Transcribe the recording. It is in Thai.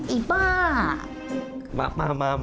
อีบ้า